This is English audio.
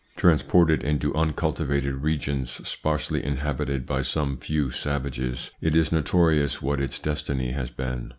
Transported into uncultivated regions, sparsely inhabited by some few savages, it is notorious what its destiny has been.